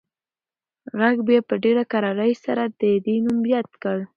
غږ بیا په ډېره کرارۍ سره د ده نوم یاد کړ.